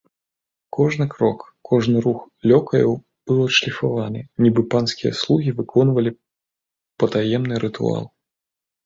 Кожны крок, кожны рух лёкаяў быў адшліфаваны, нібы панскія слугі выконвалі патаемны рытуал.